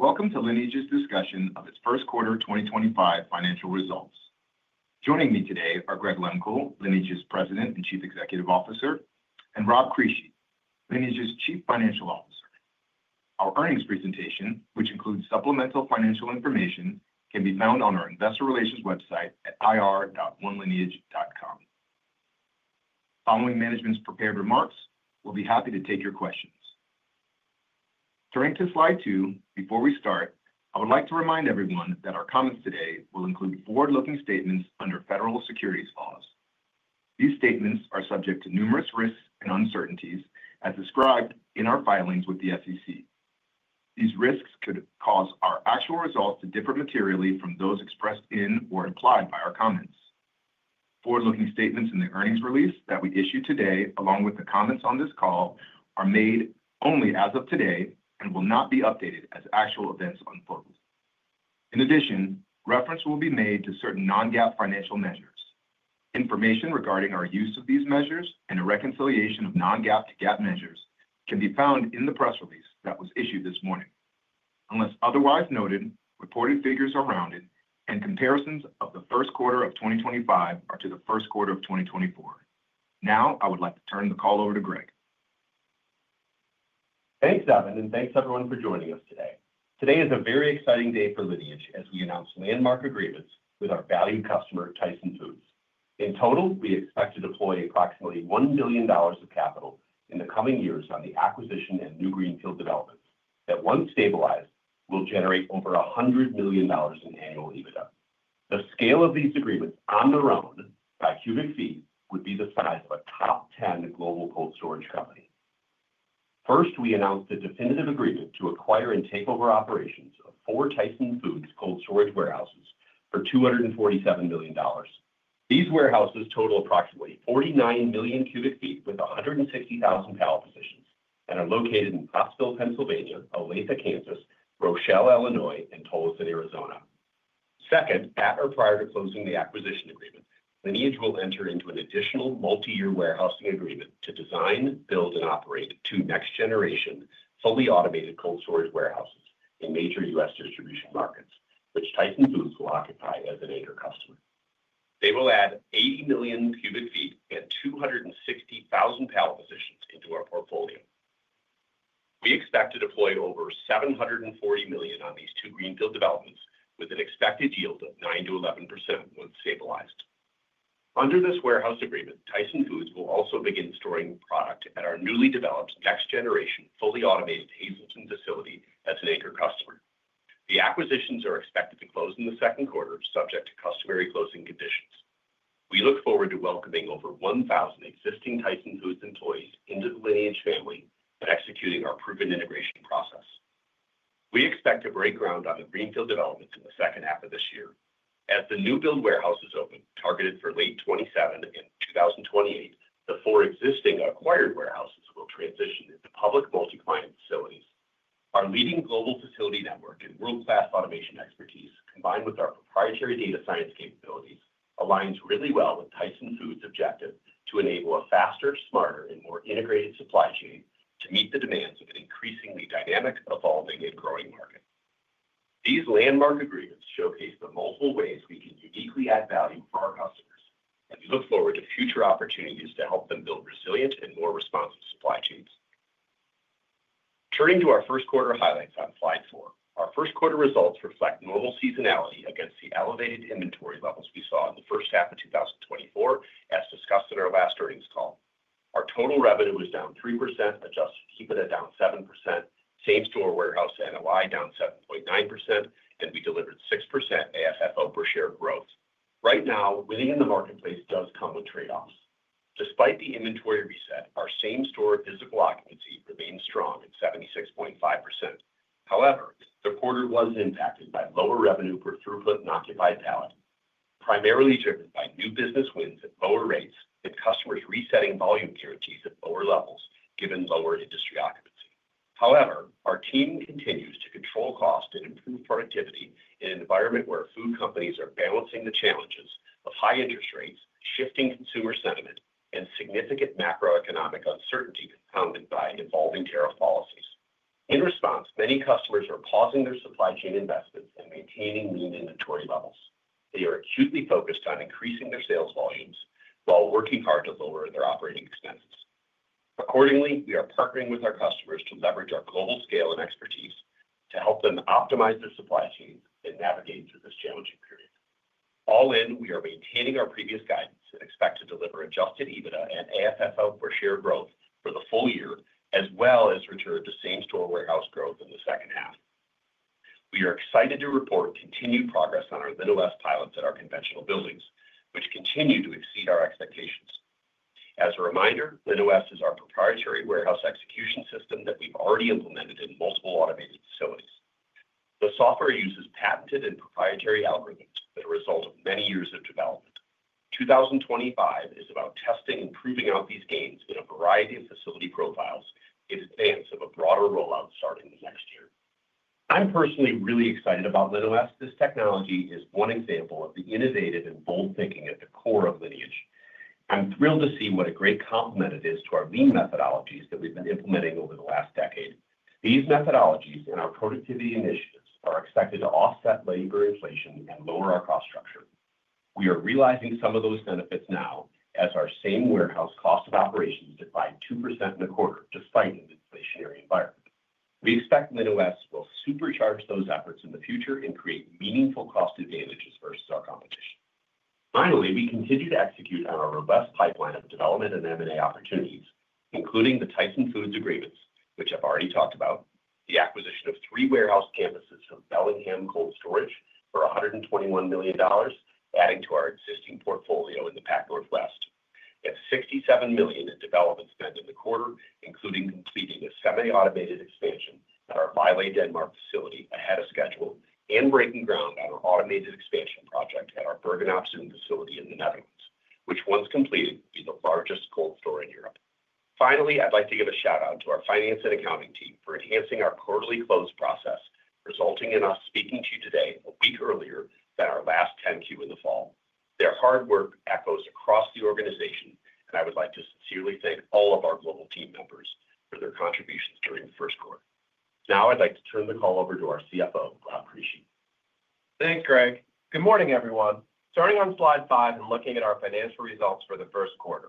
Thank you. Welcome to Lineage's discussion of its First Quarter 2025 Financial Results. Joining me today are Greg Lehmkuhl, Lineage's President and Chief Executive Officer, and Rob Crisci, Lineage's Chief Financial Officer. Our earnings presentation, which includes supplemental financial information, can be found on our investor relations website at ir.onelineage.com. Following management's prepared remarks, we'll be happy to take your questions. Turning to slide two, before we start, I would like to remind everyone that our comments today will include forward-looking statements under federal securities laws. These statements are subject to numerous risks and uncertainties, as described in our filings with the SEC. These risks could cause our actual results to differ materially from those expressed in or implied by our comments. Forward-looking statements in the earnings release that we issue today, along with the comments on this call, are made only as of today and will not be updated as actual events unfold. In addition, reference will be made to certain non-GAAP financial measures. Information regarding our use of these measures and the reconciliation of non-GAAP to GAAP measures can be found in the press release that was issued this morning. Unless otherwise noted, reported figures are rounded, and comparisons of the first quarter of 2025 are to the first quarter of 2024. Now, I would like to turn the call over to Greg. Thanks, Evan, and thanks everyone for joining us today. Today is a very exciting day for Lineage as we announce landmark agreements with our valued customer, Tyson Foods. In total, we expect to deploy approximately $1 billion of capital in the coming years on the acquisition and new greenfield developments that, once stabilized, will generate over $100 million in annual EBITDA. The scale of these agreements on their own by cubic feet would be the size of a top 10 global cold storage company. First, we announced a definitive agreement to acquire and take over operations of four Tyson Foods cold storage warehouses for $247 million. These warehouses total approximately 49 million cubic feet with 160,000 pallet positions and are located in Pottsville, Pennsylvania, Olathe, Kansas, Rochelle, Illinois, and Tolleson, Arizona. Second, at or prior to closing the acquisition agreement, Lineage will enter into an additional multi-year warehousing agreement to design, build, and operate two next-generation fully automated cold storage warehouses in major U.S. distribution markets, which Tyson Foods will occupy as an anchor customer. They will add 80 million cubic feet and 260,000 pallet positions into our portfolio. We expect to deploy over $740 million on these two greenfield developments, with an expected yield of 9%-11% once stabilized. Under this warehouse agreement, Tyson Foods will also begin storing product at our newly developed next-generation fully automated Hazleton facility as an anchor customer. The acquisitions are expected to close in the second quarter, subject to customary closing conditions. We look forward to welcoming over 1,000 existing Tyson Foods employees into the Lineage family and executing our proven integration process. We expect to break ground on the greenfield developments in the second half of this year. As the new build warehouses open, targeted for late 2027 and 2028, the four existing acquired warehouses will transition into public multi-client facilities. Our leading global facility network and world-class automation expertise, combined with our proprietary data science capabilities, aligns really well with Tyson Foods' objective to enable a faster, smarter, and more integrated supply chain to meet the demands of an increasingly dynamic, evolving, and growing market. These landmark agreements showcase the multiple ways we can uniquely add value for our customers, and we look forward to future opportunities to help them build resilient and more responsive supply chains. Turning to our first quarter highlights on slide four, our first quarter results reflect normal seasonality against the elevated inventory levels we saw in the first half of 2024, as discussed in our last earnings call. Our total revenue was down 3%, adjusted EBITDA down 7%. Same store warehouse NOI down 7.9%, and we delivered 6% AFFO per share growth. Right now, winning in the marketplace does come with trade-offs. Despite the inventory reset, our same store physical occupancy remains strong at 76.5%. However, the quarter was impacted by lower revenue per throughput and occupied pallet, primarily driven by new business wins at lower rates and customers resetting volume guarantees at lower levels given lower industry occupancy. However, our team continues to control cost and improve productivity in an environment where food companies are balancing the challenges of high interest rates, shifting consumer sentiment, and significant macroeconomic uncertainty compounded by evolving tariff policies. In response, many customers are pausing their supply chain investments and maintaining lean inventory levels. They are acutely focused on increasing their sales volumes while working hard to lower their operating expenses. Accordingly, we are partnering with our customers to leverage our global scale and expertise to help them optimize their supply chains and navigate through this challenging period. All in, we are maintaining our previous guidance and expect to deliver adjusted EBITDA and AFFO per share growth for the full year, as well as return to same store warehouse growth in the second half. We are excited to report continued progress on our LinOS pilots at our conventional buildings, which continue to exceed our expectations. As a reminder, LinOS is our proprietary warehouse execution system that we've already implemented in multiple automated facilities. The software uses patented and proprietary algorithms that are a result of many years of development. 2025 is about testing and proving out these gains in a variety of facility profiles in advance of a broader rollout starting next year. I'm personally really excited about LinOS. This technology is one example of the innovative and bold thinking at the core of Lineage. I'm thrilled to see what a great complement it is to our lean methodologies that we've been implementing over the last decade. These methodologies and our productivity initiatives are expected to offset labor inflation and lower our cost structure. We are realizing some of those benefits now as our same warehouse cost of operations declined 2% in the quarter despite an inflationary environment. We expect LinOS will supercharge those efforts in the future and create meaningful cost advantages versus our competition. Finally, we continue to execute on our robust pipeline of development and M&A opportunities, including the Tyson Foods agreements, which I've already talked about, the acquisition of three warehouse campuses from Bellingham Cold Storage for $121 million, adding to our existing portfolio in the Pacific Northwest, and $67 million in development spend in the quarter, including completing a semi-automated expansion at our Vejle, Denmark facility ahead of schedule and breaking ground on our automated expansion project at our Bergen op Zoom facility in the Netherlands, which, once completed, will be the largest cold store in Europe. Finally, I'd like to give a shout-out to our finance and accounting team for enhancing our quarterly close process, resulting in us speaking to you today a week earlier than our last 10Q in the fall. Their hard work echoes across the organization, and I would like to sincerely thank all of our global team members for their contributions during the first quarter. Now, I'd like to turn the call over to our CFO, Rob Crisci. Thanks, Greg. Good morning, everyone. Starting on slide five and looking at our financial results for the first quarter,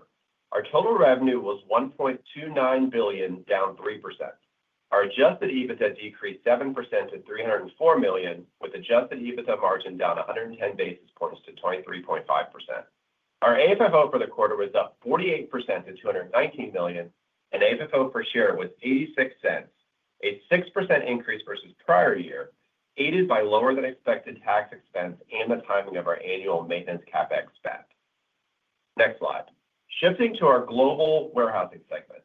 our total revenue was $1.29 billion, down 3%. Our adjusted EBITDA decreased 7% to $304 million, with adjusted EBITDA margin down 110 basis points to 23.5%. Our AFFO for the quarter was up 48% to $219 million, and AFFO per share was $0.86, a 6% increase versus prior year, aided by lower-than-expected tax expense and the timing of our annual maintenance capex spend. Next slide. Shifting to our global warehousing segment,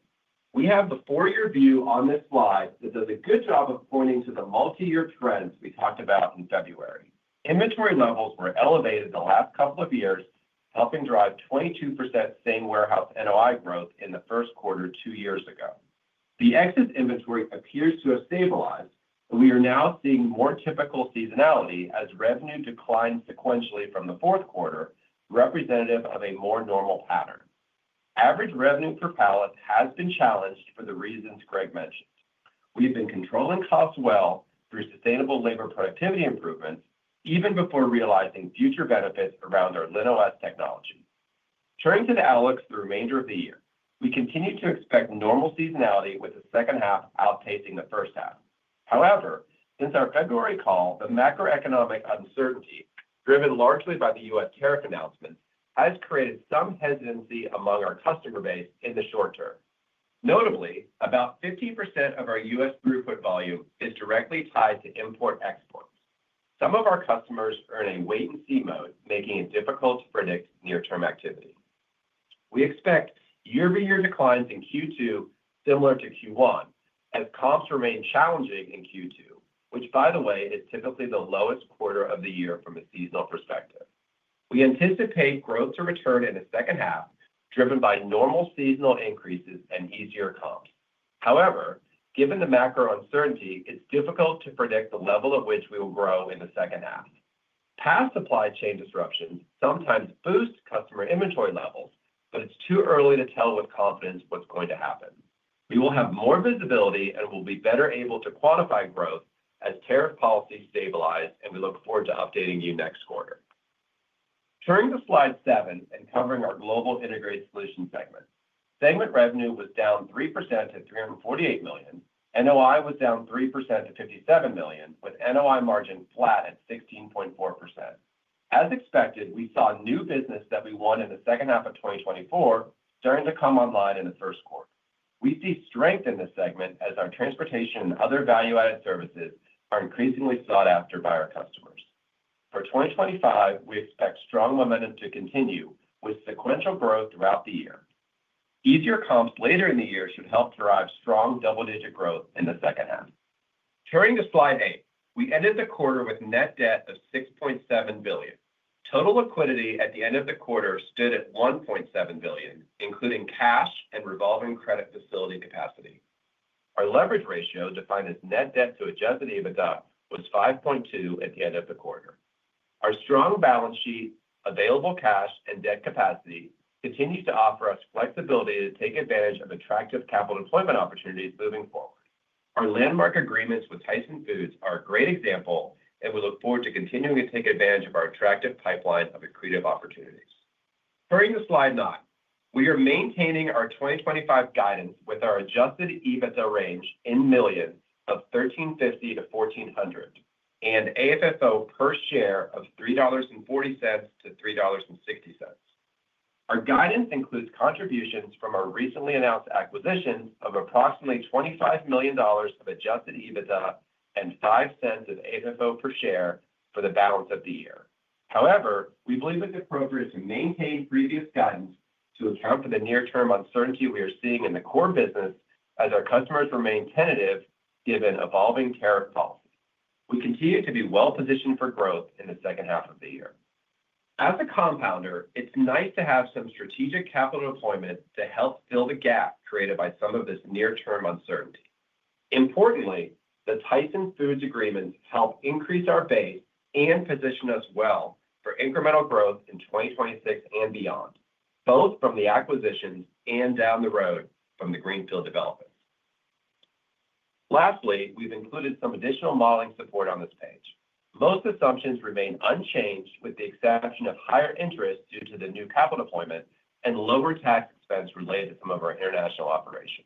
we have the four-year view on this slide that does a good job of pointing to the multi-year trends we talked about in February. Inventory levels were elevated the last couple of years, helping drive 22% same warehouse NOI growth in the first quarter two years ago. The excess inventory appears to have stabilized, but we are now seeing more typical seasonality as revenue declines sequentially from the fourth quarter, representative of a more normal pattern. Average revenue per pallet has been challenged for the reasons Greg mentioned. We've been controlling costs well through sustainable labor productivity improvements, even before realizing future benefits around our LinOS technology. Turning to the outlook for the remainder of the year, we continue to expect normal seasonality with the second half outpacing the first half. However, since our February call, the macroeconomic uncertainty, driven largely by the U.S. tariff announcements, has created some hesitancy among our customer base in the short term. Notably, about 50% of our U.S. throughput volume is directly tied to import-export. Some of our customers are in a wait-and-see mode, making it difficult to predict near-term activity. We expect year-to-year declines in Q2, similar to Q1, as comps remain challenging in Q2, which, by the way, is typically the lowest quarter of the year from a seasonal perspective. We anticipate growth to return in the second half, driven by normal seasonal increases and easier comps. However, given the macro uncertainty, it's difficult to predict the level at which we will grow in the second half. Past supply chain disruptions sometimes boost customer inventory levels, but it's too early to tell with confidence what's going to happen. We will have more visibility and will be better able to quantify growth as tariff policies stabilize, and we look forward to updating you next quarter. Turning to slide seven and covering our global integrated solution segment, segment revenue was down 3% to $348 million. NOI was down 3% to $57 million, with NOI margin flat at 16.4%. As expected, we saw new business that we won in the second half of 2024 starting to come online in the first quarter. We see strength in this segment as our transportation and other value-added services are increasingly sought after by our customers. For 2025, we expect strong momentum to continue with sequential growth throughout the year. Easier comps later in the year should help drive strong double-digit growth in the second half. Turning to slide eight, we ended the quarter with net debt of $6.7 billion. Total liquidity at the end of the quarter stood at $1.7 billion, including cash and revolving credit facility capacity. Our leverage ratio, defined as net debt to adjusted EBITDA, was 5.2 at the end of the quarter. Our strong balance sheet, available cash, and debt capacity continue to offer us flexibility to take advantage of attractive capital deployment opportunities moving forward. Our landmark agreements with Tyson Foods are a great example, and we look forward to continuing to take advantage of our attractive pipeline of accretive opportunities. Turning to slide nine, we are maintaining our 2025 guidance with our adjusted EBITDA range in millions of $1,350-$1,400 and AFFO per share of $3.40-$3.60. Our guidance includes contributions from our recently announced acquisitions of approximately $25 million of adjusted EBITDA and $0.05 of AFFO per share for the balance of the year. However, we believe it's appropriate to maintain previous guidance to account for the near-term uncertainty we are seeing in the core business as our customers remain tentative given evolving tariff policies. We continue to be well-positioned for growth in the second half of the year. As a compounder, it's nice to have some strategic capital deployment to help fill the gap created by some of this near-term uncertainty. Importantly, the Tyson Foods agreements help increase our base and position us well for incremental growth in 2026 and beyond, both from the acquisitions and down the road from the greenfield developments. Lastly, we've included some additional modeling support on this page. Most assumptions remain unchanged, with the exception of higher interest due to the new capital deployment and lower tax expense related to some of our international operations.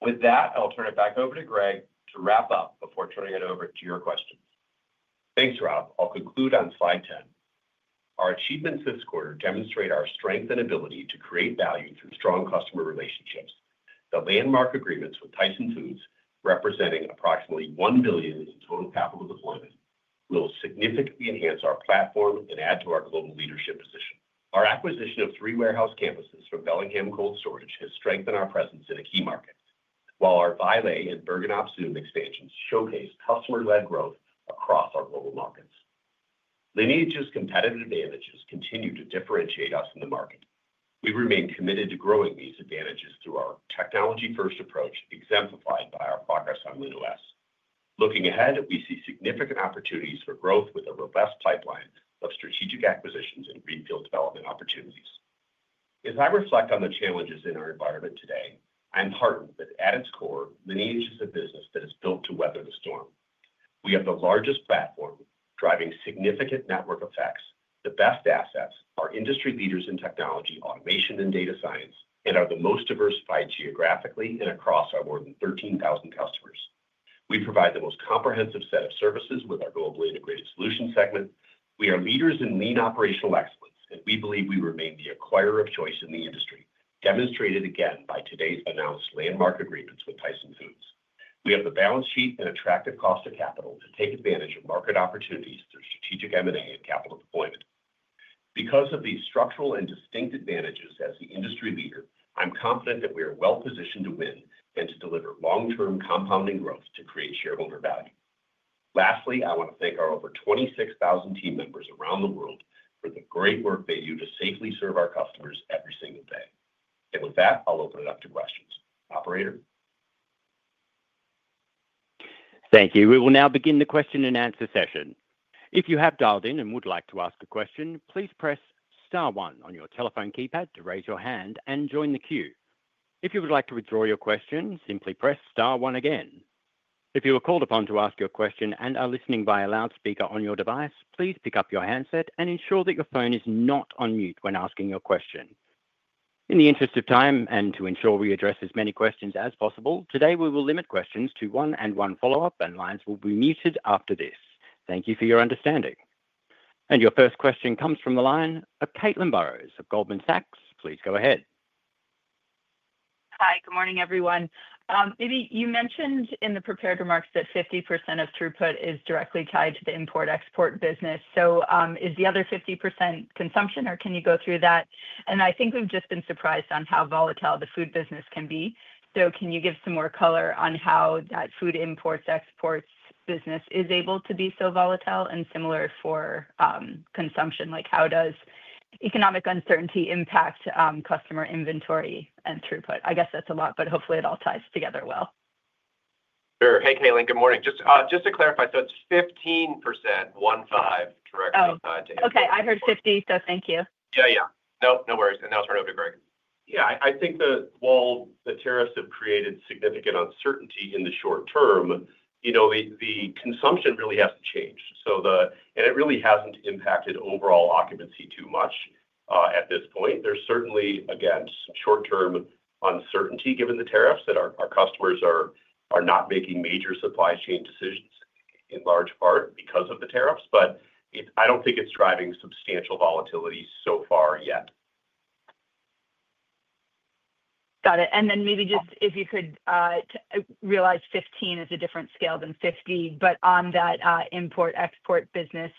With that, I'll turn it back over to Greg to wrap up before turning it over to your questions. Thanks, Rob. I'll conclude on slide 10. Our achievements this quarter demonstrate our strength and ability to create value through strong customer relationships. The landmark agreements with Tyson Foods, representing approximately $1 billion in total capital deployment, will significantly enhance our platform and add to our global leadership position. Our acquisition of three warehouse campuses from Bellingham Cold Storage has strengthened our presence in a key market, while our Vaerle and Bergen op Zoom expansions showcase customer-led growth across our global markets. Lineage's competitive advantages continue to differentiate us in the market. We remain committed to growing these advantages through our technology-first approach, exemplified by our progress on LinOS. Looking ahead, we see significant opportunities for growth with a robust pipeline of strategic acquisitions and greenfield development opportunities. As I reflect on the challenges in our environment today, I'm heartened that at its core, Lineage is a business that is built to weather the storm. We have the largest platform, driving significant network effects, the best assets, are industry leaders in technology, automation, and data science, and are the most diversified geographically and across our more than 13,000 customers. We provide the most comprehensive set of services with our global integrated solution segment. We are leaders in lean operational excellence, and we believe we remain the acquirer of choice in the industry, demonstrated again by today's announced landmark agreements with Tyson Foods. We have the balance sheet and attractive cost of capital to take advantage of market opportunities through strategic M&A and capital deployment. Because of these structural and distinct advantages as the industry leader, I'm confident that we are well-positioned to win and to deliver long-term compounding growth to create shareholder value. Lastly, I want to thank our over 26,000 team members around the world for the great work they do to safely serve our customers every single day. With that, I'll open it up to questions. Operator? Thank you. We will now begin the question and answer session. If you have dialed in and would like to ask a question, please "press star one" on your telephone keypad to raise your hand and join the queue. If you would like to withdraw your question, simply "press star one" again. If you are called upon to ask your question and are listening by a loudspeaker on your device, please pick up your handset and ensure that your phone is not on mute when asking your question. In the interest of time and to ensure we address as many questions as possible, today we will limit questions to one and one follow-up, and lines will be muted after this. Thank you for your understanding. Your first question comes from the line of Caitlin Burrows of Goldman Sachs. Please go ahead. Hi, good morning, everyone. Maybe you mentioned in the prepared remarks that 50% of throughput is directly tied to the import-export business. Is the other 50% consumption, or can you go through that? I think we've just been surprised on how volatile the food business can be. Can you give some more color on how that food imports-exports business is able to be so volatile and similar for consumption? Like how does economic uncertainty impact customer inventory and throughput? I guess that's a lot, but hopefully it all ties together well. Sure. Hey, Caitlin, good morning. Just to clarify, so it's 15%, one five, correct? Oh, okay. I heard 50, so thank you. Yeah, yeah. No, no worries. Now turn it over to Greg. Yeah, I think that while the tariffs have created significant uncertainty in the short term, the consumption really hasn't changed. It really hasn't impacted overall occupancy too much at this point. There's certainly, again, some short-term uncertainty given the tariffs that our customers are not making major supply chain decisions in large part because of the tariffs. I don't think it's driving substantial volatility so far yet. Got it. Maybe just if you could realize 15 is a different scale than 50, but on that import-export business,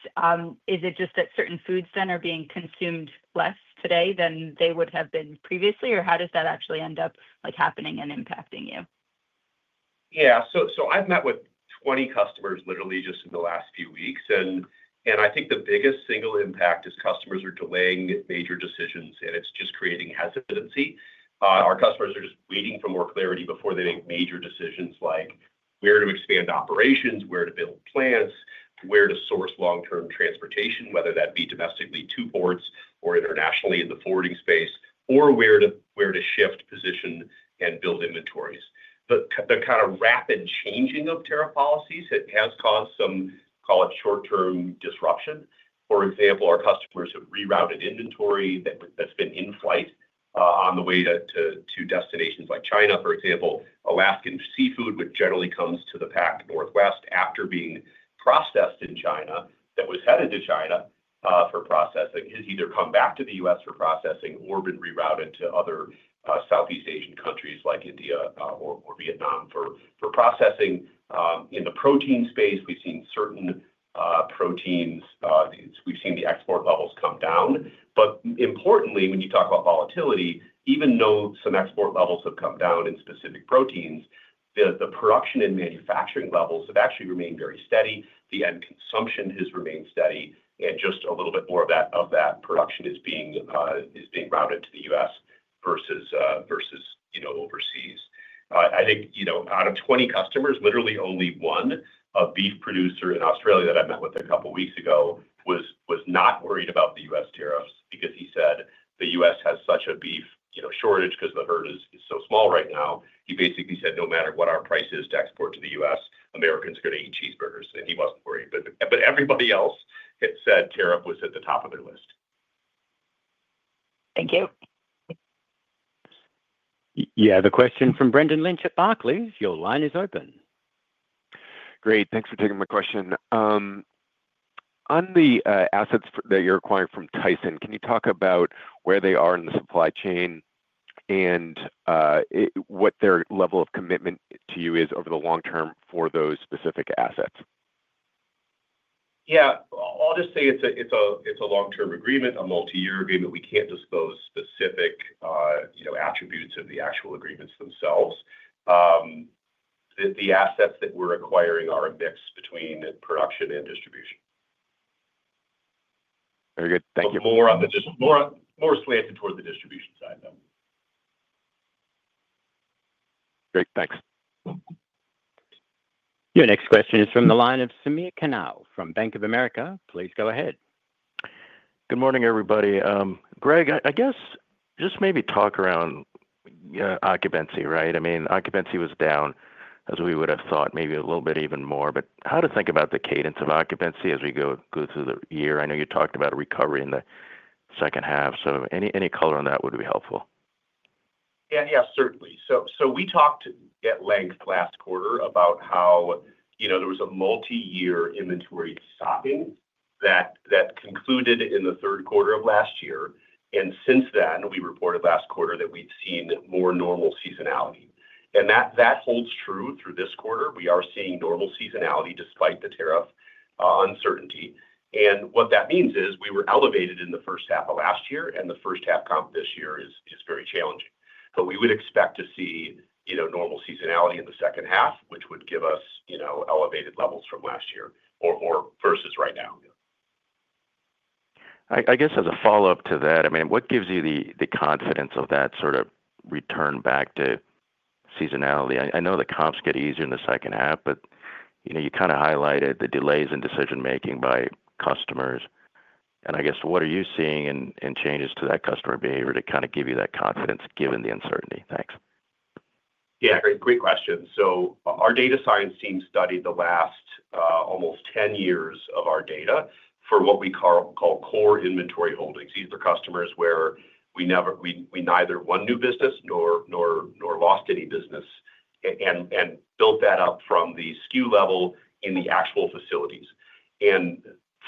is it just that certain foods then are being consumed less today than they would have been previously, or how does that actually end up happening and impacting you? Yeah. I have met with 20 customers literally just in the last few weeks. I think the biggest single impact is customers are delaying major decisions, and it is just creating hesitancy. Our customers are just waiting for more clarity before they make major decisions like where to expand operations, where to build plants, where to source long-term transportation, whether that be domestically to ports or internationally in the forwarding space, or where to shift position and build inventories. The kind of rapid changing of tariff policies has caused some, call it short-term disruption. For example, our customers have rerouted inventory that has been in flight on the way to destinations like China. For example, Alaskan seafood, which generally comes to the Pacific Northwest after being processed in China, that was headed to China for processing, has either come back to the U.S. for processing or been rerouted to other Southeast Asian countries like India or Vietnam for processing. In the protein space, we've seen certain proteins, we've seen the export levels come down. Importantly, when you talk about volatility, even though some export levels have come down in specific proteins, the production and manufacturing levels have actually remained very steady. The end consumption has remained steady, and just a little bit more of that production is being routed to the U.S. versus overseas. I think out of 20 customers, literally only one beef producer in Australia that I met with a couple of weeks ago was not worried about the U.S. tariffs because he said the U.S. has such a beef shortage because the herd is so small right now. He basically said, no matter what our price is to export to the U.S., Americans are going to eat cheeseburgers. He was not worried. Everybody else had said tariff was at the top of their list. Thank you. Yeah, the question from Brendan Lynch at Barclays. Your line is open. Great. Thanks for taking my question. On the assets that you're acquiring from Tyson, can you talk about where they are in the supply chain and what their level of commitment to you is over the long term for those specific assets? Yeah. I'll just say it's a long-term agreement, a multi-year agreement. We can't disclose specific attributes of the actual agreements themselves. The assets that we're acquiring are a mix between production and distribution. Very good. Thank you. More slanted toward the distribution side, though. Great. Thanks. Your next question is from the line of Samir Khanal from Bank of America. Please go ahead. Good morning, everybody. Greg, I guess just maybe talk around occupancy, right? I mean, occupancy was down as we would have thought, maybe a little bit even more. How to think about the cadence of occupancy as we go through the year? I know you talked about recovery in the second half. Any color on that would be helpful. Yeah, yeah, certainly. We talked at length last quarter about how there was a multi-year inventory stopping that concluded in the third quarter of last year. Since then, we reported last quarter that we'd seen more normal seasonality. That holds true through this quarter. We are seeing normal seasonality despite the tariff uncertainty. What that means is we were elevated in the first half of last year, and the first half comp this year is very challenging. We would expect to see normal seasonality in the second half, which would give us elevated levels from last year versus right now. I guess as a follow-up to that, I mean, what gives you the confidence of that sort of return back to seasonality? I know the comps get easier in the second half, but you kind of highlighted the delays in decision-making by customers. I guess what are you seeing in changes to that customer behavior to kind of give you that confidence given the uncertainty? Thanks. Yeah, great question. Our data science team studied the last almost 10 years of our data for what we call core inventory holdings. These are customers where we neither won new business nor lost any business and built that up from the SKU level in the actual facilities.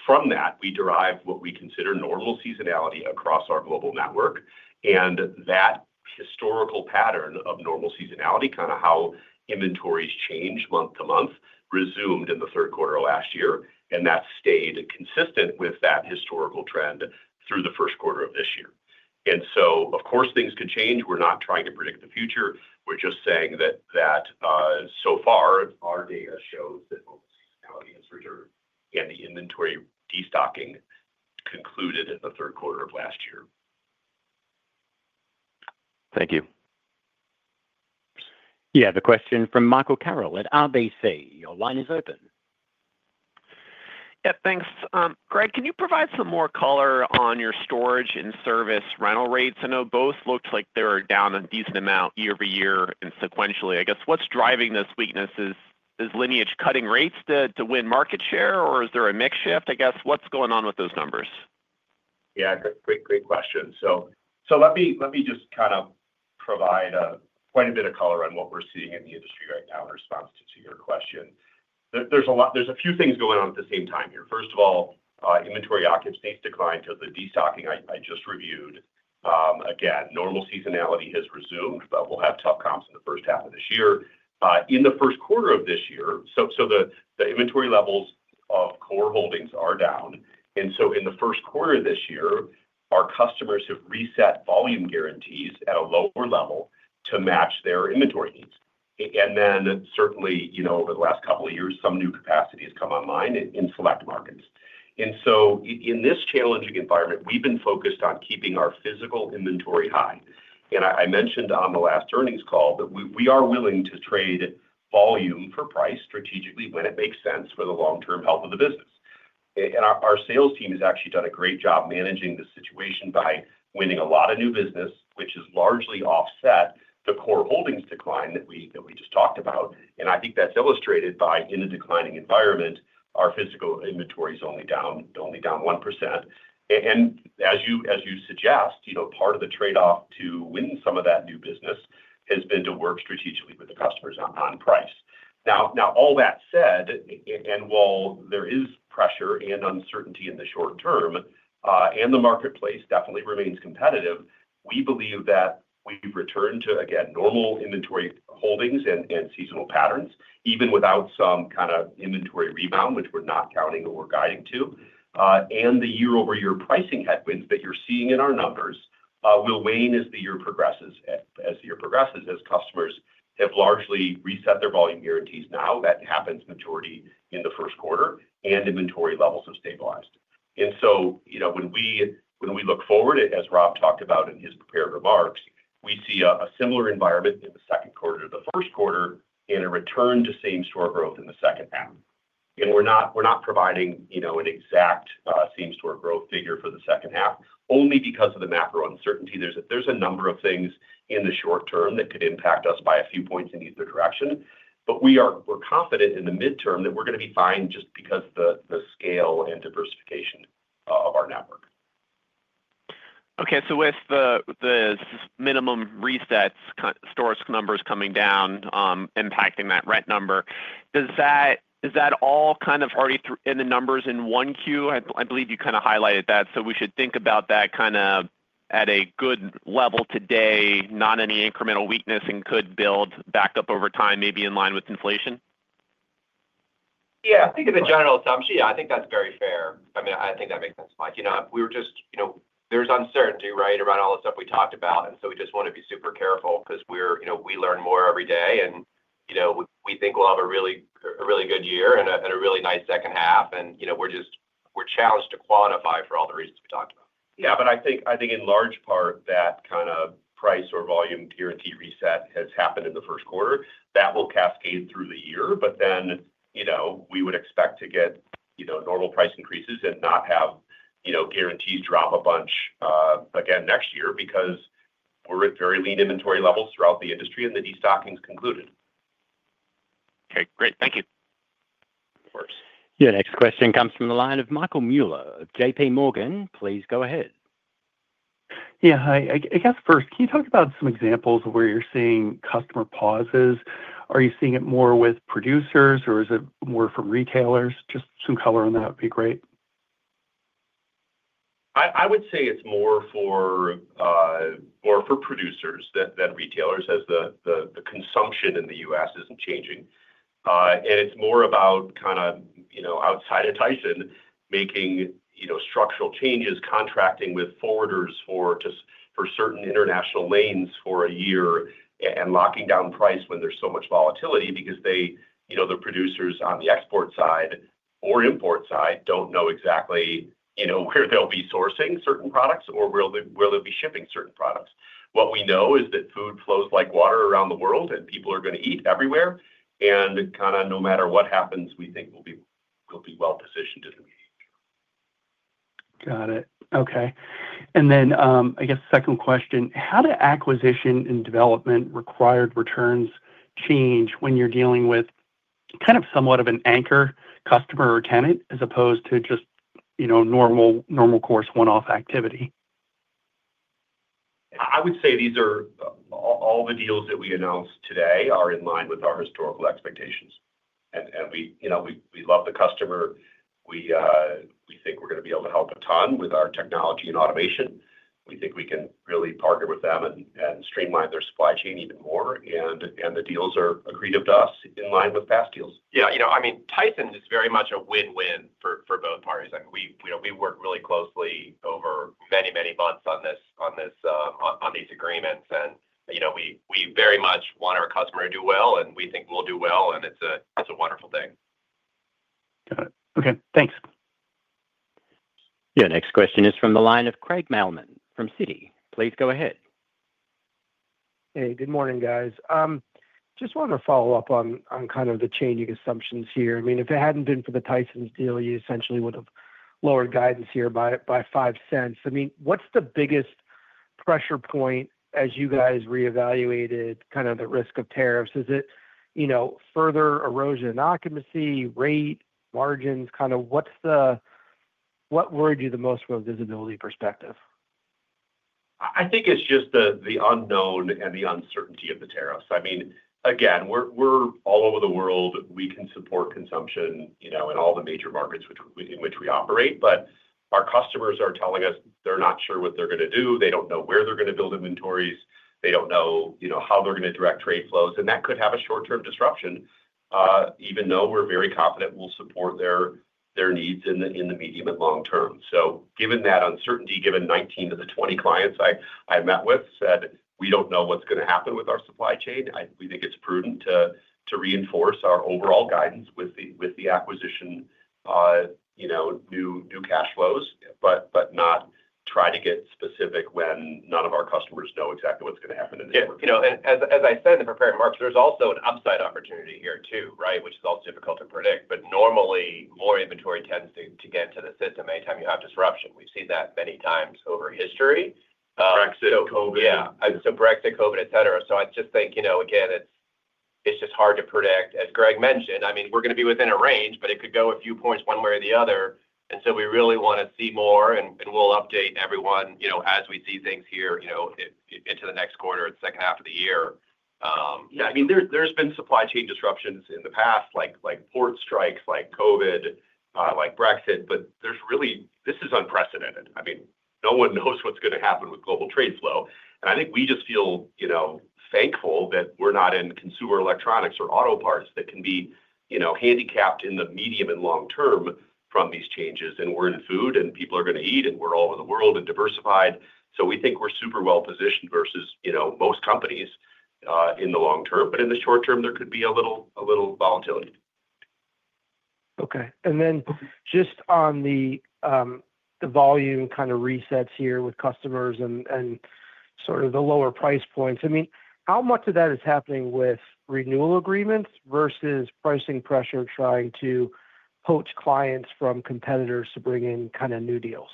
From that, we derived what we consider normal seasonality across our global network. That historical pattern of normal seasonality, kind of how inventories change month to month, resumed in the third quarter of last year. That stayed consistent with that historical trend through the first quarter of this year. Of course, things could change. We're not trying to predict the future. We're just saying that so far, our data shows that normal seasonality has returned and the inventory destocking concluded in the third quarter of last year. Thank you. Yeah, the question from Michael Carroll at RBC. Your line is open. Yeah, thanks. Greg, can you provide some more color on your storage and service rental rates? I know both look like they're down a decent amount year-over-year and sequentially. I guess what's driving this weakness is Lineage cutting rates to win market share, or is there a mix shift? I guess what's going on with those numbers? Yeah, great question. Let me just kind of provide quite a bit of color on what we're seeing in the industry right now in response to your question. There are a few things going on at the same time here. First of all, inventory occupancy has declined because of the destocking I just reviewed. Again, normal seasonality has resumed, but we'll have tough comps in the first half of this year. In the first quarter of this year, the inventory levels of core holdings are down. In the first quarter of this year, our customers have reset volume guarantees at a lower level to match their inventory needs. Certainly, over the last couple of years, some new capacity has come online in select markets. In this challenging environment, we've been focused on keeping our physical inventory high. I mentioned on the last earnings call that we are willing to trade volume for price strategically when it makes sense for the long-term health of the business. Our sales team has actually done a great job managing the situation by winning a lot of new business, which has largely offset the core holdings decline that we just talked about. I think that's illustrated by, in a declining environment, our physical inventory is only down 1%. As you suggest, part of the trade-off to win some of that new business has been to work strategically with the customers on price. Now, all that said, while there is pressure and uncertainty in the short term and the marketplace definitely remains competitive, we believe that we've returned to, again, normal inventory holdings and seasonal patterns, even without some kind of inventory rebound, which we're not counting or guiding to. The year-over-year pricing headwinds that you're seeing in our numbers will wane as the year progresses. As the year progresses, as customers have largely reset their volume guarantees now, that happens majority in the first quarter, and inventory levels have stabilized. When we look forward, as Rob talked about in his prepared remarks, we see a similar environment in the second quarter to the first quarter and a return to same-store growth in the second half. We're not providing an exact same-store growth figure for the second half only because of the macro uncertainty. There's a number of things in the short term that could impact us by a few points in either direction. We're confident in the midterm that we're going to be fine just because of the scale and diversification of our network. Okay. With the minimum resets, stores numbers coming down, impacting that rent number, is that all kind of already in the numbers in Q1? I believe you kind of highlighted that. We should think about that kind of at a good level today, not any incremental weakness, and could build back up over time, maybe in line with inflation? Yeah. I think in a general assumption, yeah, I think that's very fair. I mean, I think that makes sense. We were just there's uncertainty, right, around all the stuff we talked about. We just want to be super careful because we learn more every day. We think we'll have a really good year and a really nice second half. We're challenged to quantify for all the reasons we talked about. Yeah, I think in large part that kind of price or volume guarantee reset has happened in the first quarter. That will cascade through the year. We would expect to get normal price increases and not have guarantees drop a bunch again next year because we're at very lean inventory levels throughout the industry and the destocking's concluded. Okay. Great. Thank you. Of course. Your next question comes from the line of Michael Mueller of JPMorgan. Please go ahead. Yeah. Hi. I guess first, can you talk about some examples of where you're seeing customer pauses? Are you seeing it more with producers, or is it more from retailers? Just some color on that would be great. I would say it's more for producers than retailers as the consumption in the U.S. isn't changing. It's more about kind of outside of Tyson making structural changes, contracting with forwarders for certain international lanes for a year and locking down price when there's so much volatility because the producers on the export side or import side don't know exactly where they'll be sourcing certain products or where they'll be shipping certain products. What we know is that food flows like water around the world, and people are going to eat everywhere. No matter what happens, we think we'll be well-positioned in the meeting. Got it. Okay. I guess second question, how do acquisition and development required returns change when you're dealing with kind of somewhat of an anchor customer or tenant as opposed to just normal course one-off activity? I would say all the deals that we announced today are in line with our historical expectations. We love the customer. We think we're going to be able to help a ton with our technology and automation. We think we can really partner with them and streamline their supply chain even more. The deals are agreed to us in line with past deals. Yeah. I mean, Tyson is very much a win-win for both parties. I mean, we worked really closely over many, many months on these agreements. We very much want our customer to do well, and we think we'll do well. It's a wonderful thing. Got it. Okay. Thanks. Your next question is from the line of Craig Mailman from Citi. Please go ahead. Hey, good morning, guys. Just wanted to follow up on kind of the changing assumptions here. I mean, if it hadn't been for the Tyson Foods deal, you essentially would have lowered guidance here by 5 cents. I mean, what's the biggest pressure point as you guys reevaluated kind of the risk of tariffs? Is it further erosion in occupancy, rate, margins? Kind of what worried you the most from a visibility perspective? I think it's just the unknown and the uncertainty of the tariffs. I mean, again, we're all over the world. We can support consumption in all the major markets in which we operate. But our customers are telling us they're not sure what they're going to do. They don't know where they're going to build inventories. They don't know how they're going to direct trade flows. That could have a short-term disruption, even though we're very confident we'll support their needs in the medium and long term. Given that uncertainty, given 19 of the 20 clients I met with said, "We don't know what's going to happen with our supply chain," we think it's prudent to reinforce our overall guidance with the acquisition, new cash flows, but not try to get specific when none of our customers know exactly what's going to happen in the next quarter. As I said in the prepared remarks, there's also an upside opportunity here too, right, which is also difficult to predict. Normally, more inventory tends to get to the system anytime you have disruption. We've seen that many times over history. Brexit, COVID. Yeah. Brexit, COVID, etc. I just think, again, it's just hard to predict. As Greg mentioned, I mean, we're going to be within a range, but it could go a few points one way or the other. We really want to see more, and we'll update everyone as we see things here into the next quarter and second half of the year. I mean, there's been supply chain disruptions in the past, like port strikes, like COVID, like Brexit. This is unprecedented. I mean, no one knows what's going to happen with global trade flow. I think we just feel thankful that we're not in consumer electronics or auto parts that can be handicapped in the medium and long term from these changes. We're in food, and people are going to eat, and we're all over the world and diversified. We think we're super well-positioned versus most companies in the long term. In the short term, there could be a little volatility. Okay. And then just on the volume kind of resets here with customers and sort of the lower price points, I mean, how much of that is happening with renewal agreements versus pricing pressure trying to poach clients from competitors to bring in kind of new deals?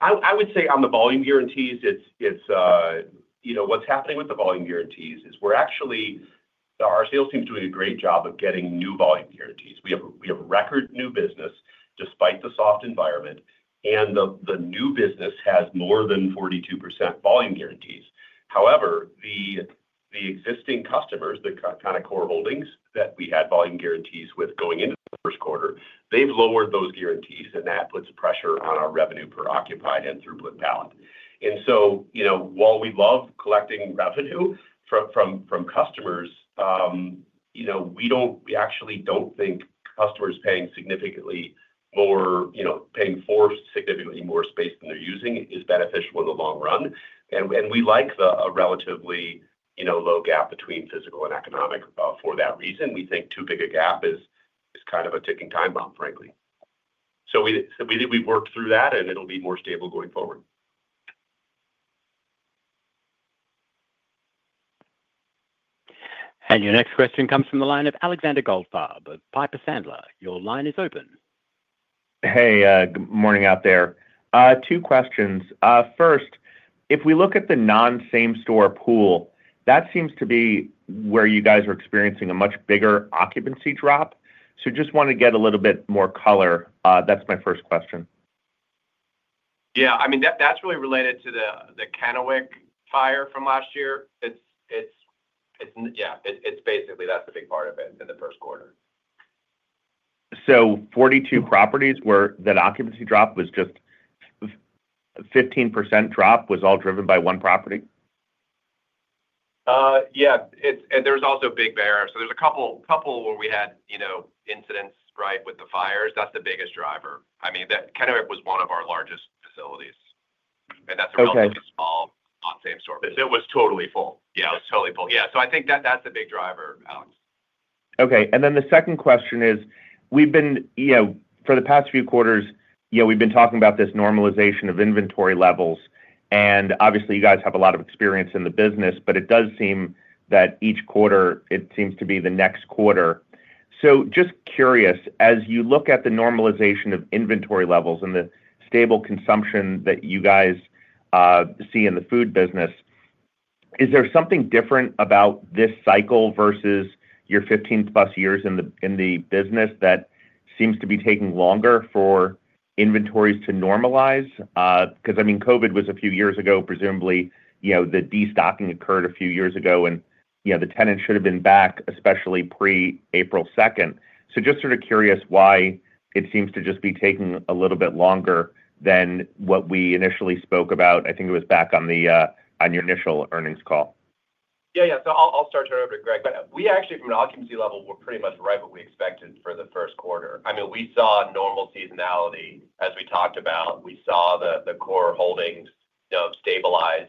I would say on the volume guarantees, what's happening with the volume guarantees is we're actually, our sales team's doing a great job of getting new volume guarantees. We have record new business despite the soft environment. The new business has more than 42% volume guarantees. However, the existing customers, the kind of core holdings that we had volume guarantees with going into the first quarter, they've lowered those guarantees, and that puts pressure on our revenue per occupied and throughput pallet. While we love collecting revenue from customers, we actually don't think customers paying significantly more, paying for significantly more space than they're using, is beneficial in the long run. We like a relatively low gap between physical and economic for that reason. We think too big a gap is kind of a ticking time bomb, frankly. We've worked through that, and it'll be more stable going forward. Your next question comes from the line of Alexander Goldfarb of Piper Sandler. Your line is open. Hey, good morning out there. Two questions. First, if we look at the non-same-store pool, that seems to be where you guys are experiencing a much bigger occupancy drop. Just want to get a little bit more color. That's my first question. Yeah. I mean, that's really related to the Kennewick fire from last year. Yeah. It's basically that's the big part of it in the first quarter. Forty-two properties where that occupancy drop was just 15% drop was all driven by one property? Yeah. There's also Big Bear. There's a couple where we had incidents, right, with the fires. That's the biggest driver. I mean, Kennewick was one of our largest facilities. That's a relatively small non-same-store place. It was totally full. Yeah. It was totally full. Yeah. I think that's the big driver, Alex. Okay. The second question is, for the past few quarters, we've been talking about this normalization of inventory levels. Obviously, you guys have a lot of experience in the business, but it does seem that each quarter, it seems to be the next quarter. Just curious, as you look at the normalization of inventory levels and the stable consumption that you guys see in the food business, is there something different about this cycle versus your 15-plus years in the business that seems to be taking longer for inventories to normalize? I mean, COVID was a few years ago, presumably. The destocking occurred a few years ago, and the tenant should have been back, especially pre-April 2nd. Just sort of curious why it seems to just be taking a little bit longer than what we initially spoke about. I think it was back on your initial earnings call. Yeah. Yeah. I'll start to turn it over to Greg. We actually, from an occupancy level, were pretty much right what we expected for the first quarter. I mean, we saw normal seasonality, as we talked about. We saw the core holdings stabilize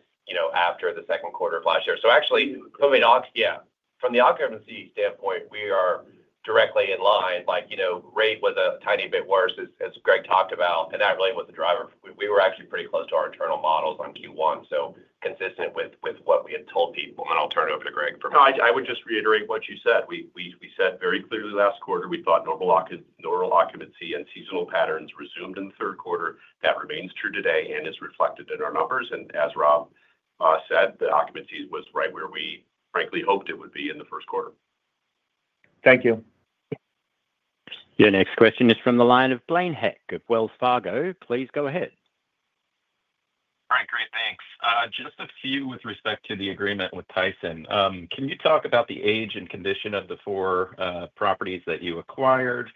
after the second quarter of last year. Actually, yeah, from the occupancy standpoint, we are directly in line. Rate was a tiny bit worse, as Greg talked about. That really was the driver. We were actually pretty close to our internal models on Q1, so consistent with what we had told people. I'll turn it over to Greg for a moment. I would just reiterate what you said. We said very clearly last quarter, we thought normal occupancy and seasonal patterns resumed in the third quarter. That remains true today and is reflected in our numbers. As Rob said, the occupancy was right where we frankly hoped it would be in the first quarter. Thank you. Your next question is from the line of Blaine Heck of Wells Fargo. Please go ahead. All right. Great. Thanks. Just a few with respect to the agreement with Tyson. Can you talk about the age and condition of the four properties that you acquired,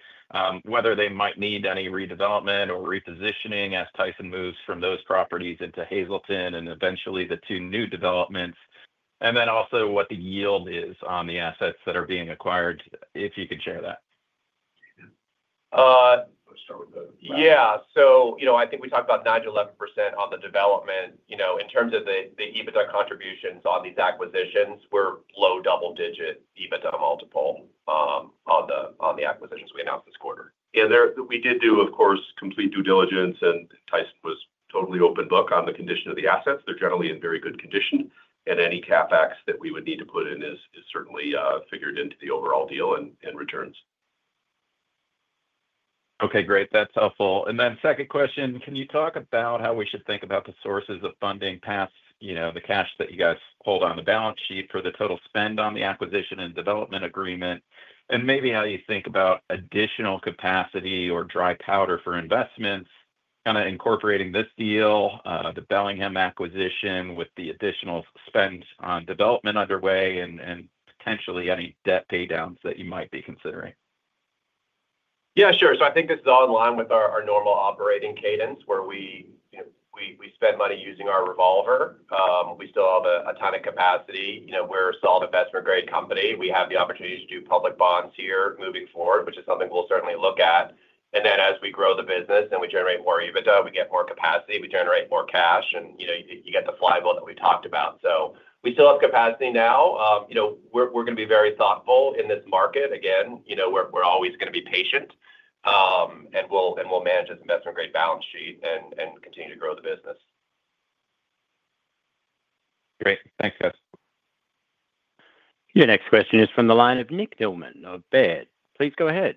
whether they might need any redevelopment or repositioning as Tyson moves from those properties into Hazleton and eventually the two new developments, and then also what the yield is on the assets that are being acquired, if you could share that? Let's start with the, yeah. I think we talked about 9-11% on the development. In terms of the EBITDA contributions on these acquisitions, we're low double-digit EBITDA multiple on the acquisitions we announced this quarter. Yeah. We did do, of course, complete due diligence, and Tyson was totally open book on the condition of the assets. They're generally in very good condition. Any CapEx that we would need to put in is certainly figured into the overall deal and returns. Okay. Great. That's helpful. Then second question, can you talk about how we should think about the sources of funding past the cash that you guys hold on the balance sheet for the total spend on the acquisition and development agreement, and maybe how you think about additional capacity or dry powder for investments, kind of incorporating this deal, the Bellingham acquisition with the additional spend on development underway, and potentially any debt paydowns that you might be considering? Yeah. Sure. I think this is all in line with our normal operating cadence where we spend money using our revolver. We still have a ton of capacity. We're a solid investment-grade company. We have the opportunity to do public bonds here moving forward, which is something we'll certainly look at. As we grow the business and we generate more EBITDA, we get more capacity, we generate more cash, and you get the flywheel that we talked about. We still have capacity now. We're going to be very thoughtful in this market. Again, we're always going to be patient, and we'll manage this investment-grade balance sheet and continue to grow the business. Great. Thanks, guys. Your next question is from the line of Nick Thillman of Baird. Please go ahead.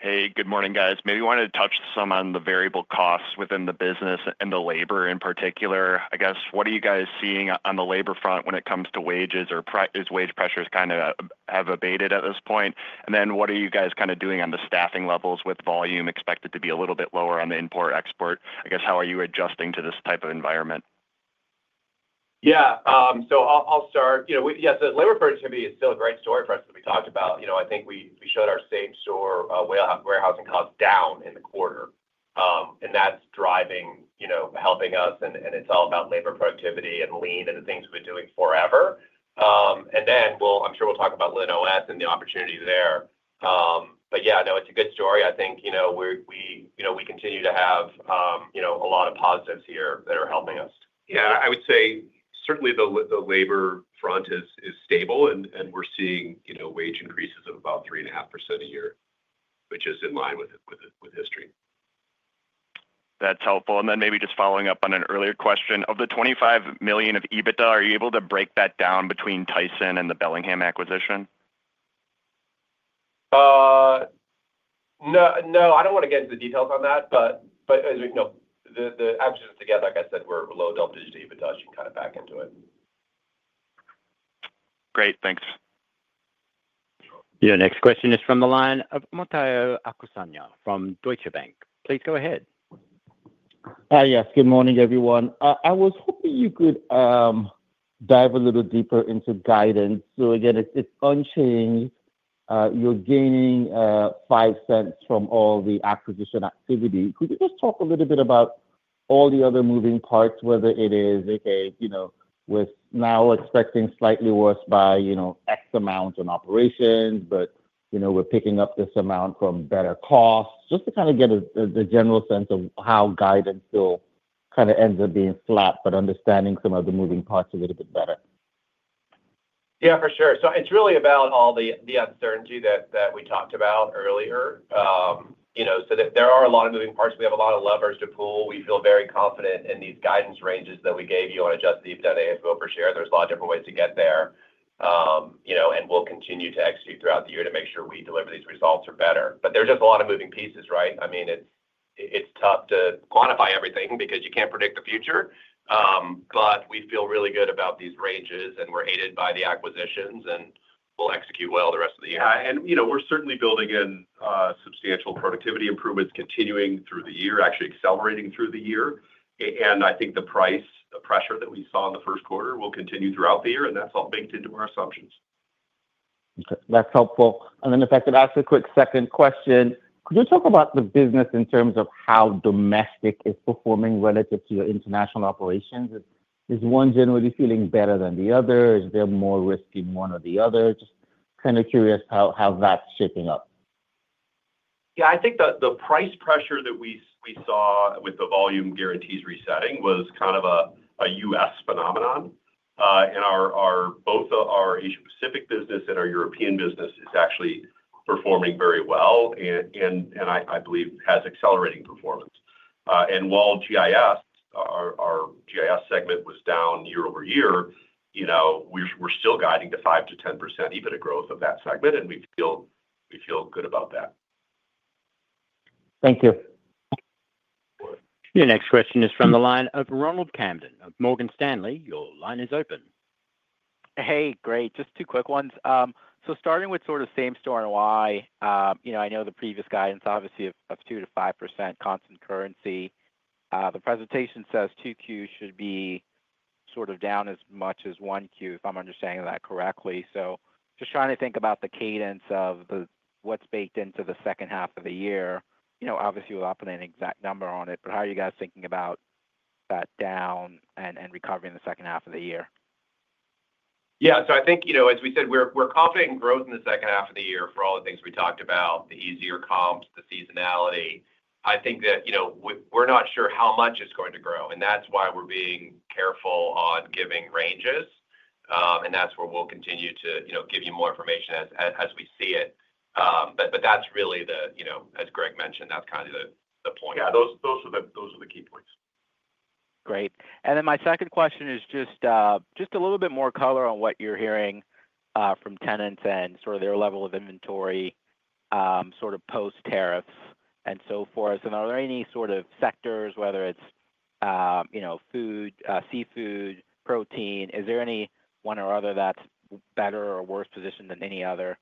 Hey, good morning, guys. Maybe I wanted to touch some on the variable costs within the business and the labor in particular. I guess, what are you guys seeing on the labor front when it comes to wages? Is wage pressure kind of have abated at this point? What are you guys kind of doing on the staffing levels with volume expected to be a little bit lower on the import-export? I guess, how are you adjusting to this type of environment? Yeah. I'll start. Yes, the labor productivity is still a great story for us that we talked about. I think we showed our same-store warehousing costs down in the quarter. That's driving, helping us, and it's all about labor productivity and lean and the things we've been doing forever. I'm sure we'll talk about LinOS and the opportunity there. Yeah, no, it's a good story. I think we continue to have a lot of positives here that are helping us. Yeah. I would say certainly the labor front is stable, and we're seeing wage increases of about 3.5% a year, which is in line with history. That's helpful. Maybe just following up on an earlier question, of the $25 million of EBITDA, are you able to break that down between Tyson and the Bellingham acquisition? No. I don't want to get into the details on that. As we know, the acquisition together, like I said, we're low double-digit EBITDA. She can kind of back into it. Great. Thanks. Your next question is from the line of Omotayo Okusanya from Deutsche Bank. Please go ahead. Hi. Yes. Good morning, everyone. I was hoping you could dive a little deeper into guidance. It is unchanged. You're gaining $0.05 from all the acquisition activity. Could you just talk a little bit about all the other moving parts, whether it is, okay, we're now expecting slightly worse by X amount on operations, but we're picking up this amount from better costs, just to kind of get a general sense of how guidance still kind of ends up being flat, but understanding some of the moving parts a little bit better? Yeah, for sure. It's really about all the uncertainty that we talked about earlier. There are a lot of moving parts. We have a lot of levers to pull. We feel very confident in these guidance ranges that we gave you on adjusted EBITDA, AFFO, per share. There are a lot of different ways to get there. We'll continue to execute throughout the year to make sure we deliver these results or better. There's just a lot of moving pieces, right? I mean, it's tough to quantify everything because you can't predict the future. We feel really good about these ranges, and we're aided by the acquisitions, and we'll execute well the rest of the year. We're certainly building in substantial productivity improvements continuing through the year, actually accelerating through the year. I think the price, the pressure that we saw in the first quarter will continue throughout the year, and that's all baked into our assumptions. That's helpful. In fact, I'd ask a quick second question. Could you talk about the business in terms of how domestic is performing relative to your international operations? Is one generally feeling better than the other? Is there more risk in one or the other? Just kind of curious how that's shaping up. Yeah. I think the price pressure that we saw with the volume guarantees resetting was kind of a U.S. phenomenon. Both our Asia-Pacific business and our European business is actually performing very well and I believe has accelerating performance. While GIS, our GIS segment, was down year-over-year, we're still guiding to 5-10% EBITDA growth of that segment, and we feel good about that. Thank you. Your next question is from the line of Ronald Kamdem of Morgan Stanley. Your line is open. Hey, Greg. Just two quick ones. Starting with sort of same-store and why, I know the previous guidance, obviously, of 2-5% constant currency. The presentation says 2Q should be sort of down as much as 1Q, if I'm understanding that correctly. Just trying to think about the cadence of what's baked into the second half of the year. Obviously, we're not putting an exact number on it, but how are you guys thinking about that down and recovering the second half of the year? Yeah. I think, as we said, we're confident in growth in the second half of the year for all the things we talked about, the easier comps, the seasonality. I think that we're not sure how much it's going to grow. That's why we're being careful on giving ranges. That's where we'll continue to give you more information as we see it. That's really the, as Greg mentioned, that's kind of the point. Yeah. Those are the key points. Great. My second question is just a little bit more color on what you're hearing from tenants and sort of their level of inventory sort of post-tariff and so forth. Are there any sort of sectors, whether it's food, seafood, protein? Is there any one or other that's better or worse positioned than any other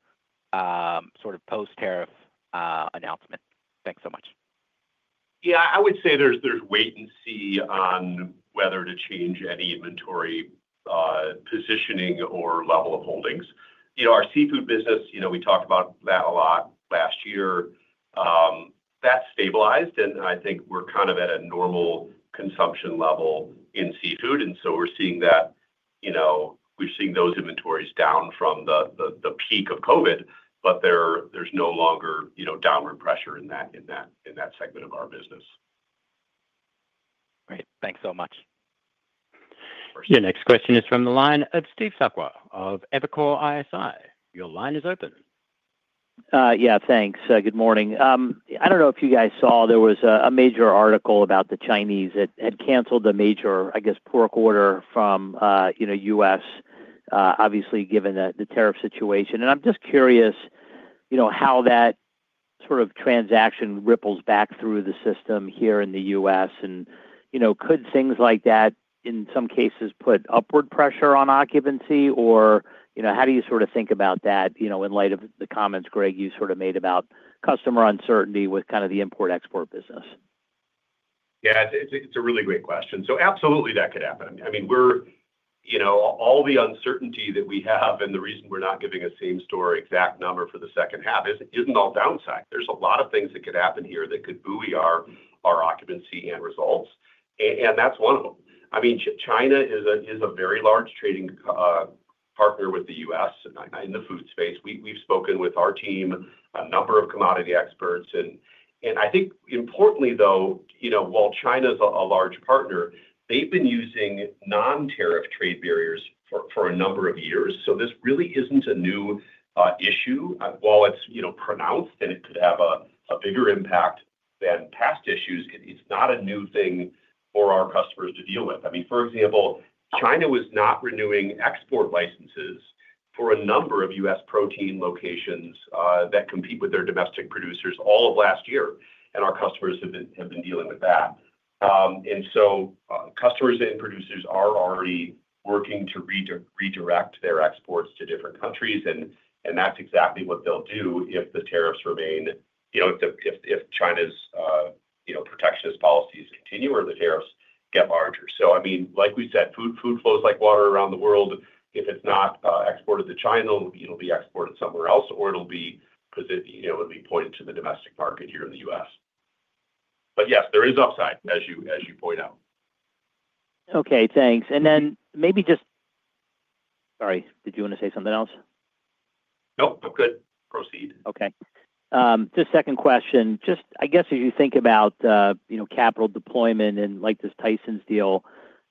sort of post-tariff announcement? Thanks so much. Yeah. I would say there's wait and see on whether to change any inventory positioning or level of holdings. Our seafood business, we talked about that a lot last year. That's stabilized, and I think we're kind of at a normal consumption level in seafood. We're seeing that we're seeing those inventories down from the peak of COVID, but there's no longer downward pressure in that segment of our business. Great. Thanks so much. Your next question is from the line of Steve Sakwa of Evercore ISI. Your line is open. Yeah. Thanks. Good morning. I don't know if you guys saw there was a major article about the Chinese that had canceled the major, I guess, pork order from the U.S., obviously, given the tariff situation. I'm just curious how that sort of transaction ripples back through the system here in the U.S. Could things like that, in some cases, put upward pressure on occupancy? How do you sort of think about that in light of the comments, Greg, you sort of made about customer uncertainty with kind of the import-export business? Yeah. It's a really great question. Absolutely, that could happen. I mean, all the uncertainty that we have and the reason we're not giving a same-store exact number for the second half isn't all downside. There's a lot of things that could happen here that could buoy our occupancy and results. That's one of them. I mean, China is a very large trading partner with the U.S. in the food space. We've spoken with our team, a number of commodity experts. I think, importantly, though, while China is a large partner, they've been using non-tariff trade barriers for a number of years. This really isn't a new issue. While it's pronounced and it could have a bigger impact than past issues, it's not a new thing for our customers to deal with. I mean, for example, China was not renewing export licenses for a number of U.S... protein locations that compete with their domestic producers all of last year. Our customers have been dealing with that. Customers and producers are already working to redirect their exports to different countries. That is exactly what they'll do if the tariffs remain, if China's protectionist policies continue or the tariffs get larger. I mean, like we said, food flows like water around the world. If it's not exported to China, it'll be exported somewhere else, or it'll be pointed to the domestic market here in the U.S. Yes, there is upside, as you point out. Okay. Thanks. Maybe just—sorry. Did you want to say something else? Nope. I'm good. Proceed. Okay. Just second question. Just, I guess, as you think about capital deployment and this Tyson deal,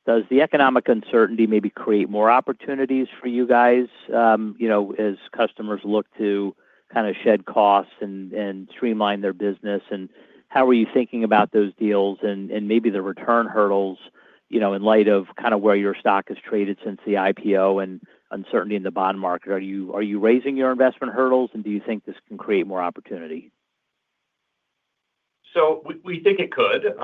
does the economic uncertainty maybe create more opportunities for you guys as customers look to kind of shed costs and streamline their business? How are you thinking about those deals and maybe the return hurdles in light of kind of where your stock has traded since the IPO and uncertainty in the bond market? Are you raising your investment hurdles, and do you think this can create more opportunity? We think it could.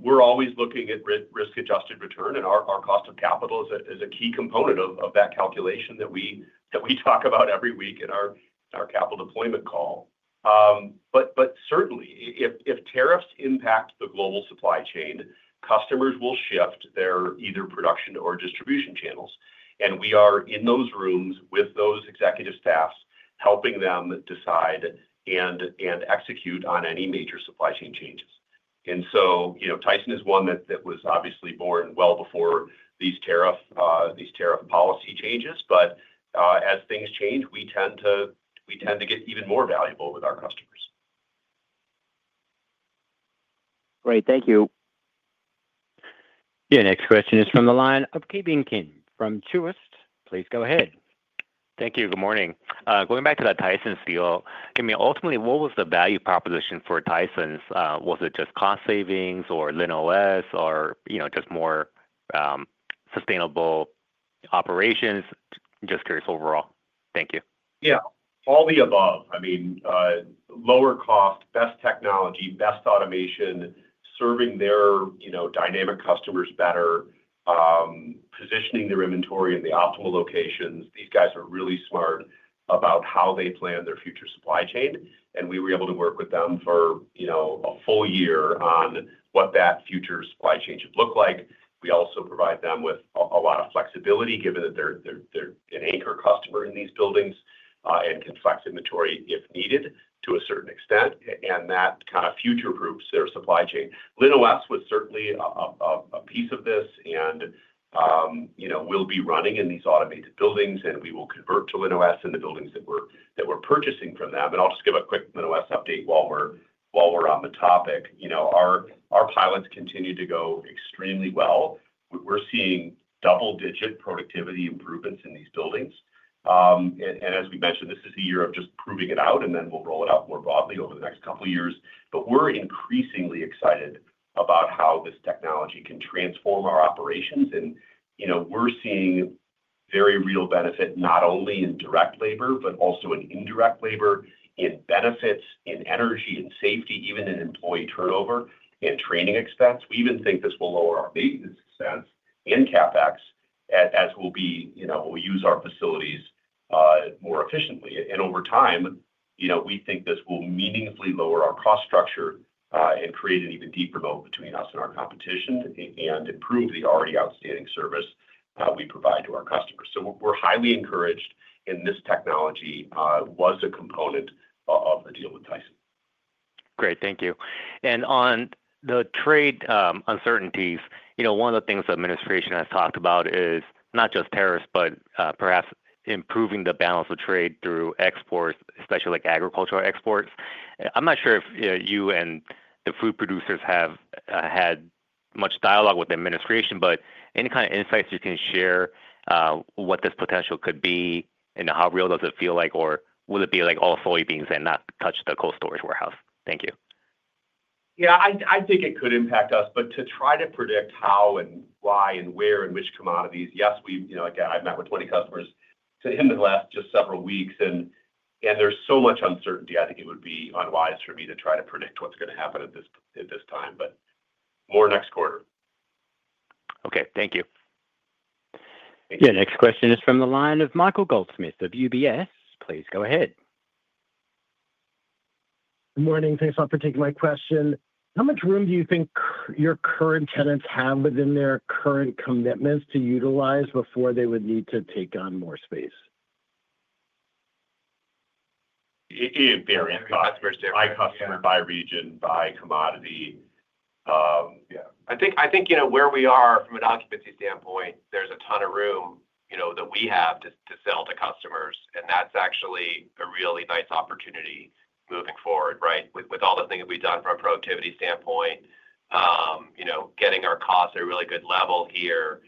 We're always looking at risk-adjusted return, and our cost of capital is a key component of that calculation that we talk about every week in our capital deployment call. Certainly, if tariffs impact the global supply chain, customers will shift their either production or distribution channels. We are in those rooms with those executive staffs helping them decide and execute on any major supply chain changes. Tyson is one that was obviously born well before these tariff policy changes. As things change, we tend to get even more valuable with our customers. Great. Thank you. Your next question is from the line of Ki Bin Kim from Truist. Please go ahead. Thank you. Good morning. Going back to that Tyson deal, I mean, ultimately, what was the value proposition for Tyson? Was it just cost savings or LinOS or just more sustainable operations? Just curious overall. Thank you. Yeah. All the above. I mean, lower cost, best technology, best automation, serving their dynamic customers better, positioning their inventory in the optimal locations. These guys are really smart about how they plan their future supply chain. We were able to work with them for a full year on what that future supply chain should look like. We also provide them with a lot of flexibility, given that they're an anchor customer in these buildings and can flex inventory if needed to a certain extent. That kind of future-proofs their supply chain. LinOS was certainly a piece of this and will be running in these automated buildings, and we will convert to LinOS in the buildings that we're purchasing from them. I'll just give a quick LinOS update while we're on the topic. Our pilots continue to go extremely well. We're seeing double-digit productivity improvements in these buildings. As we mentioned, this is a year of just proving it out, and then we'll roll it out more broadly over the next couple of years. We're increasingly excited about how this technology can transform our operations. We're seeing very real benefit not only in direct labor, but also in indirect labor, in benefits, in energy, in safety, even in employee turnover and training expense. We even think this will lower our maintenance expense and CapEx as we'll use our facilities more efficiently. Over time, we think this will meaningfully lower our cost structure and create an even deeper moat between us and our competition and improve the already outstanding service we provide to our customers. We're highly encouraged, and this technology was a component of the deal with Tyson. Great. Thank you. On the trade uncertainties, one of the things the administration has talked about is not just tariffs, but perhaps improving the balance of trade through exports, especially agricultural exports. I'm not sure if you and the food producers have had much dialogue with the administration, but any kind of insights you can share what this potential could be and how real does it feel like, or will it be like all soybeans and not touch the cold storage warehouse? Thank you. Yeah. I think it could impact us. To try to predict how and why and where and which commodities, yes, I've met with 20 customers in the last just several weeks. There's so much uncertainty, I think it would be unwise for me to try to predict what's going to happen at this time, but more next quarter. Okay. Thank you. Your next question is from the line of Michael Goldsmith of UBS. Please go ahead. Good morning. Thanks for taking my question. How much room do you think your current tenants have within their current commitments to utilize before they would need to take on more space? It varies. By customer, by region, by commodity. Yeah. I think where we are from an occupancy standpoint, there's a ton of room that we have to sell to customers. That's actually a really nice opportunity moving forward, right, with all the things we've done from a productivity standpoint, getting our costs at a really good level here,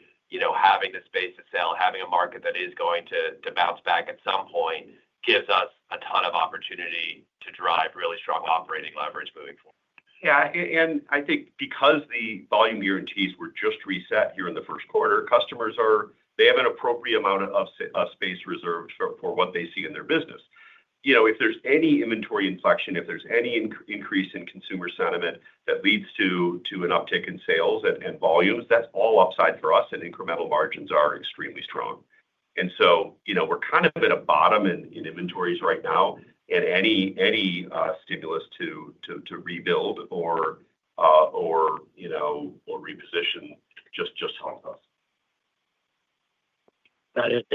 having the space to sell, having a market that is going to bounce back at some point gives us a ton of opportunity to drive really strong operating leverage moving forward. Yeah. I think because the volume guarantees were just reset here in the first quarter, customers, they have an appropriate amount of space reserved for what they see in their business. If there's any inventory inflection, if there's any increase in consumer sentiment that leads to an uptick in sales and volumes, that's all upside for us, and incremental margins are extremely strong. We're kind of at a bottom in inventories right now, and any stimulus to rebuild or reposition just helps us. Got it.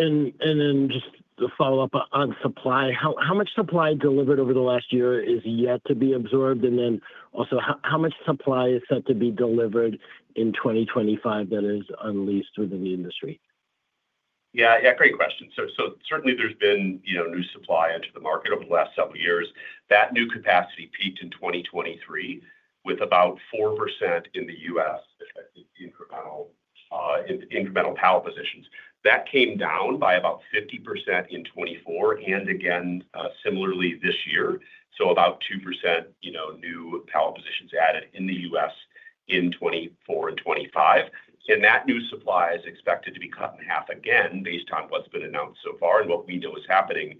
Just to follow up on supply, how much supply delivered over the last year is yet to be absorbed? Also, how much supply is set to be delivered in 2025 that is unleashed within the industry? Yeah. Yeah. Great question. Certainly, there's been new supply into the market over the last several years. That new capacity peaked in 2023 with about 4% in the U.S., incremental pallet positions. That came down by about 50% in 2024 and again, similarly, this year. About 2% new pallet positions added in the U.S. in 2024 and 2025. That new supply is expected to be cut in half again based on what's been announced so far and what we know is happening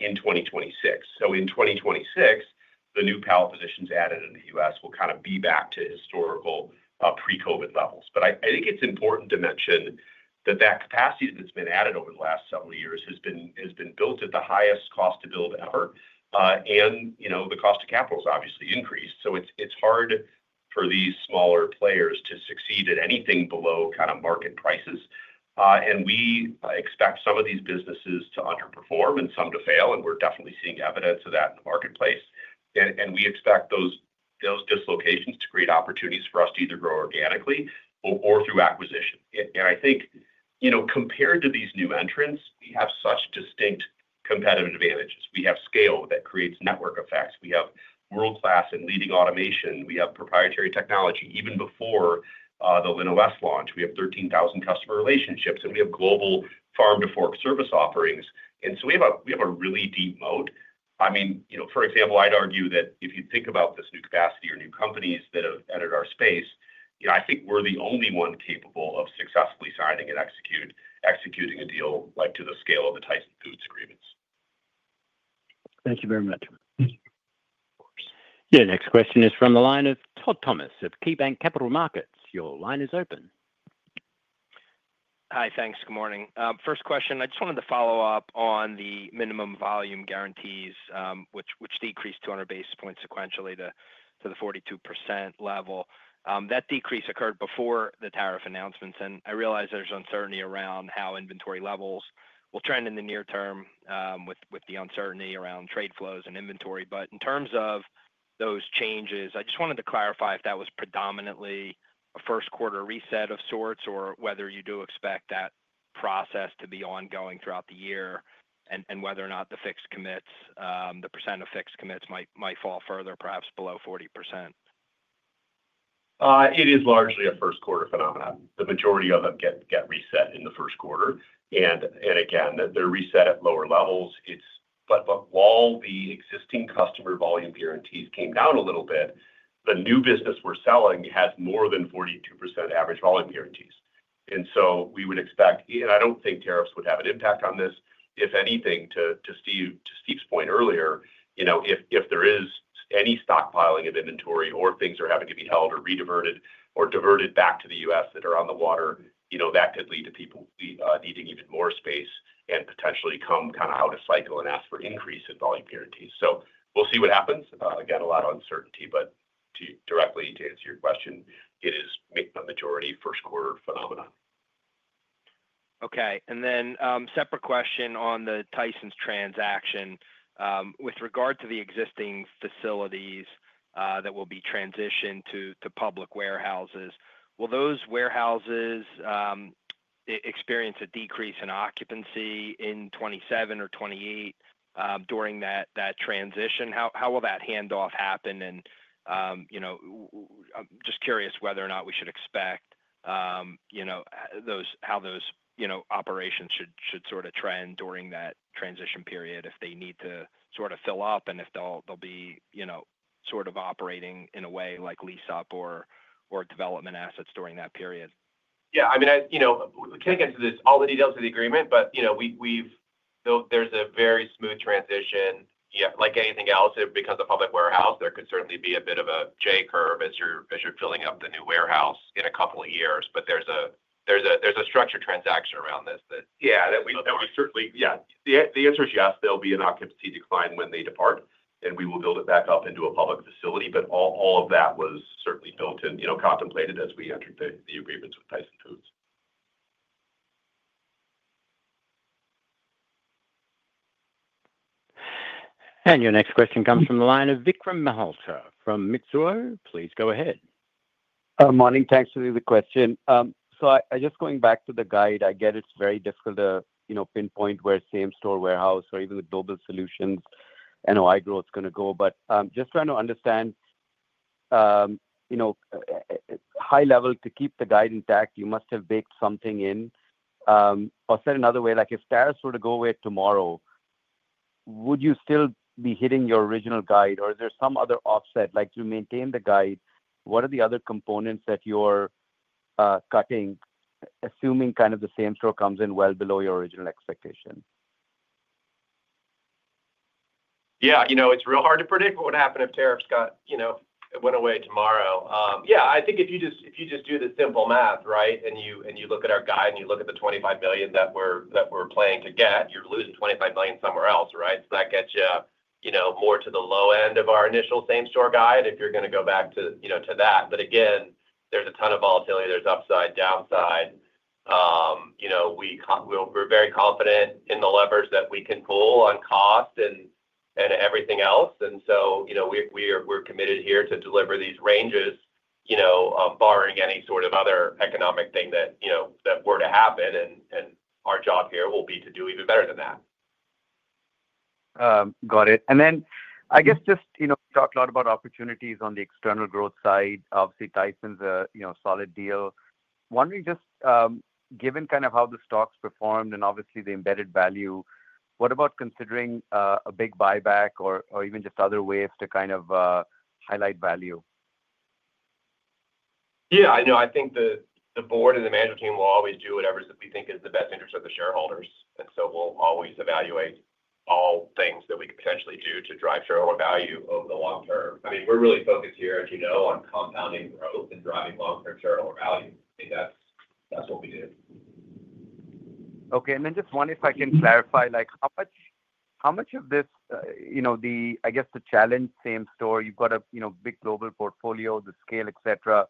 in 2026. In 2026, the new pallet positions added in the U.S. will kind of be back to historical pre-COVID levels. I think it's important to mention that that capacity that's been added over the last several years has been built at the highest cost to build ever. The cost of capital has obviously increased. It is hard for these smaller players to succeed at anything below kind of market prices. We expect some of these businesses to underperform and some to fail. We are definitely seeing evidence of that in the marketplace. We expect those dislocations to create opportunities for us to either grow organically or through acquisition. I think compared to these new entrants, we have such distinct competitive advantages. We have scale that creates network effects. We have world-class and leading automation. We have proprietary technology. Even before the LinOS launch, we have 13,000 customer relationships, and we have global farm-to-fork service offerings. We have a really deep moat. I mean, for example, I'd argue that if you think about this new capacity or new companies that have entered our space, I think we're the only one capable of successfully signing and executing a deal to the scale of the Tyson Foods agreements. Thank you very much. Your next question is from the line of Todd Thomas of KeyBanc Capital Markets. Your line is open. Hi. Thanks. Good morning. First question. I just wanted to follow up on the minimum volume guarantees, which decreased 200 basis points sequentially to the 42% level. That decrease occurred before the tariff announcements. I realize there's uncertainty around how inventory levels will trend in the near term with the uncertainty around trade flows and inventory. In terms of those changes, I just wanted to clarify if that was predominantly a first-quarter reset of sorts or whether you do expect that process to be ongoing throughout the year and whether or not the percent of fixed commits might fall further, perhaps below 40%. It is largely a first-quarter phenomenon. The majority of them get reset in the first quarter. Again, they're reset at lower levels. While the existing customer volume guarantees came down a little bit, the new business we're selling has more than 42% average volume guarantees. We would expect, and I don't think tariffs would have an impact on this. If anything, to Steve's point earlier, if there is any stockpiling of inventory or things are having to be held or rediverted or diverted back to the U.S. that are on the water, that could lead to people needing even more space and potentially come kind of out of cycle and ask for increase in volume guarantees. We'll see what happens. Again, a lot of uncertainty. Directly, to answer your question, it is a majority first-quarter phenomenon. Okay. Then separate question on the Tyson transaction. With regard to the existing facilities that will be transitioned to public warehouses, will those warehouses experience a decrease in occupancy in 2027 or 2028 during that transition? How will that handoff happen? I am just curious whether or not we should expect how those operations should sort of trend during that transition period if they need to sort of fill up and if they will be sort of operating in a way like lease-up or development assets during that period. Yeah. I mean, we can't get into all the details of the agreement, but there's a very smooth transition. Like anything else, it becomes a public warehouse. There could certainly be a bit of a J-curve as you're filling up the new warehouse in a couple of years. There is a structured transaction around this. Yeah. That would certainly. Yeah. The answer is yes. There will be an occupancy decline when they depart, and we will build it back up into a public facility. All of that was certainly built in, contemplated as we entered the agreements with Tyson Foods. Your next question comes from the line of Vikram Malhotra from Mizuho. Please go ahead. Morning. Thanks for the question. Just going back to the guide, I get it's very difficult to pinpoint where same-store warehouse or even with Global Solutions and how organic growth is going to go. Just trying to understand high level to keep the guide intact, you must have baked something in. Or said another way, if tariffs were to go away tomorrow, would you still be hitting your original guide, or is there some other offset? To maintain the guide, what are the other components that you're cutting, assuming kind of the same-store comes in well below your original expectation? Yeah. It's real hard to predict what would happen if tariffs went away tomorrow. Yeah. I think if you just do the simple math, right, and you look at our guide and you look at the $25 million that we're planning to get, you're losing $25 million somewhere else, right? That gets you more to the low end of our initial same-store guide if you're going to go back to that. There is a ton of volatility. There's upside, downside. We're very confident in the levers that we can pull on cost and everything else. We are committed here to deliver these ranges, barring any sort of other economic thing that were to happen. Our job here will be to do even better than that. Got it. I guess just talked a lot about opportunities on the external growth side. Obviously, Tyson a solid deal. Wondering, just given kind of how the stock's performed and obviously the embedded value, what about considering a big buyback or even just other ways to kind of highlight value? Yeah. I think the board and the management team will always do whatever we think is in the best interest of the shareholders. We'll always evaluate all things that we could potentially do to drive shareholder value over the long term. I mean, we're really focused here, as you know, on compounding growth and driving long-term shareholder value. I think that's what we do. Okay. Just wondering if I can clarify how much of this, I guess, the challenge same-store, you've got a big global portfolio, the scale, etc.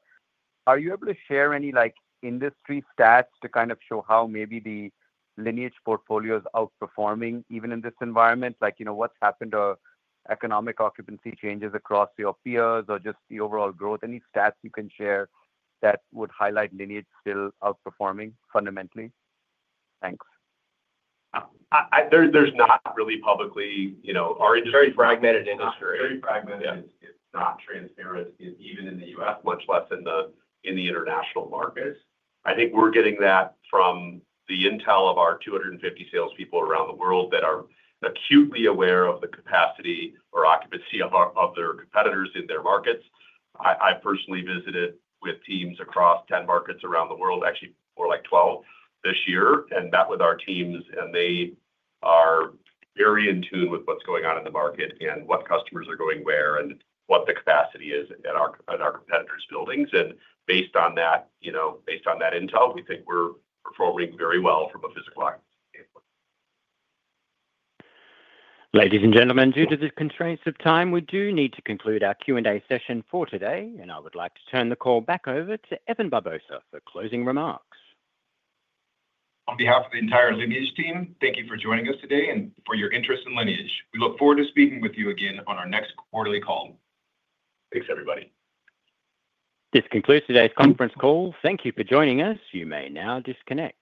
Are you able to share any industry stats to kind of show how maybe the Lineage portfolio is outperforming even in this environment? What's happened to economic occupancy changes across your peers or just the overall growth? Any stats you can share that would highlight Lineage still outperforming fundamentally? Thanks. There's not really publicly. Our industry is a very fragmented industry. It's not transparent, even in the U.S., much less in the international markets. I think we're getting that from the intel of our 250 salespeople around the world that are acutely aware of the capacity or occupancy of their competitors in their markets. I personally visited with teams across 10 markets around the world, actually more like 12 this year, and met with our teams. They are very in tune with what's going on in the market and what customers are going where and what the capacity is at our competitors' buildings. Based on that, based on that intel, we think we're performing very well from a physical occupancy standpoint. Ladies and gentlemen, due to the constraints of time, we do need to conclude our Q&A session for today. I would like to turn the call back over to Evan Barbosa for closing remarks. On behalf of the entire Lineage team, thank you for joining us today and for your interest in Lineage. We look forward to speaking with you again on our next quarterly call. Thanks, everybody. This concludes today's conference call. Thank you for joining us. You may now disconnect.